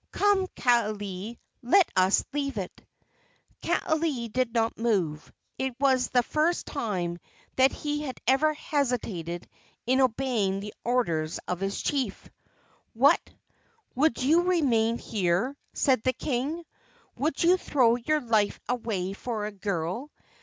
Come, Kaaialii, let us leave it." Kaaialii did not move. It was the first time that he had ever hesitated in obeying the orders of his chief. "What! would you remain here?" said the king. "Would you throw your life away for a girl?